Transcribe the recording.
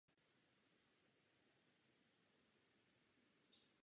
Přilehlé pozemky slouží k pěstování zemědělských plodin a chovu dobytka pro potřeby tábora.